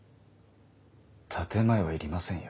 建て前はいりませんよ。